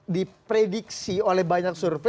diprediksi oleh banyak survei